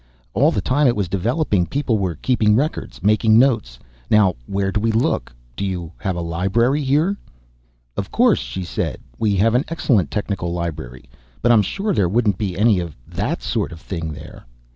All the time it was developing, people were keeping records, making notes. Now where do we look? Do you have a library here?" "Of course," she said. "We have an excellent technical library. But I'm sure there wouldn't be any of that sort of thing there."